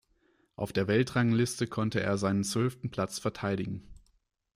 Auf der Weltrangliste konnte er seinen zwölften Platz verteidigen.